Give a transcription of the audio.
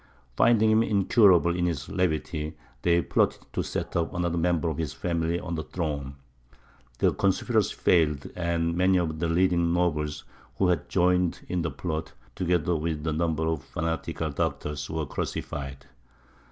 Finding him incurable in his levity, they plotted to set up another member of his family on the throne. The conspiracy failed, and many of the leading nobles, who had joined in the plot, together with a number of fanatical doctors, were crucified.